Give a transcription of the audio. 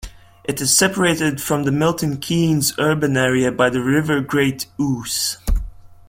It is separated from the Milton Keynes urban area by the River Great Ouse.